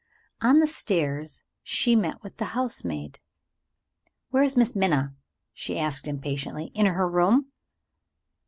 On the stairs she met with the housemaid. "Where is Miss Minna?" she asked impatiently. "In her room?"